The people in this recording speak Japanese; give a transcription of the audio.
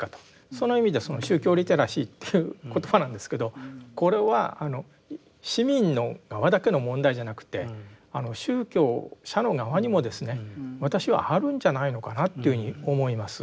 その意味でその宗教リテラシーという言葉なんですけどこれは市民の側だけの問題じゃなくて宗教者の側にもですね私はあるんじゃないのかなというふうに思います。